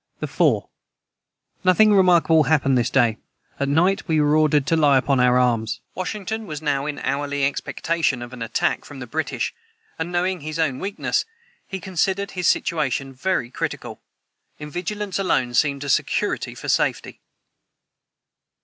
the 4. Nothing remarkable hapnd this day at night we were ordered to Ly upon our arms. [Footnote 187: Washington was now in hourly expectation of an attack from the British, and, knowing his own weakness, he considered his situation very critical. In vigilance alone seemed a security for safety.